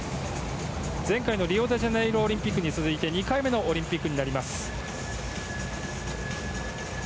前回のリオデジャネイロオリンピックに続いて２回目のオリンピックになります。